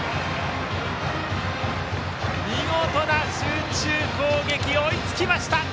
見事な集中攻撃追いつきました！